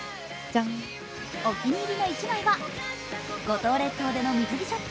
お気に入りの一枚は五島列島での水着ショット。